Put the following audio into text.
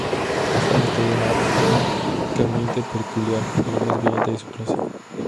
Es una estrella Ap químicamente peculiar, la más brillante de su clase.